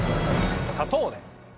砂糖で。